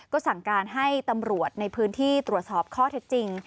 ก็สั่งการให้ตำรวจในพื้นที่ตรวจสอบข้อเท็จจริง